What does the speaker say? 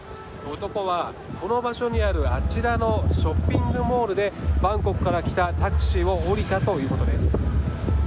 男はこの場所にあるあちらのショッピングモールでバンコクから来たタクシーを降りたということです。